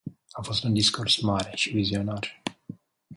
A fost un discurs mare și vizionar.